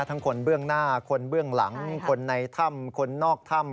ทั้งคนเบื้องหน้าคนเบื้องหลังคนในถ้ำคนนอกถ้ำ